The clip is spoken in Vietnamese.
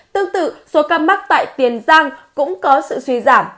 tương tự số ca mắc tại tiền giang cũng có sự suy giảm